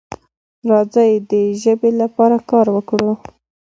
راځه د ژبې لپاره کار وکړو.